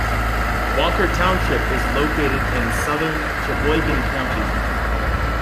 Walker Township is located in southern Cheboygan County.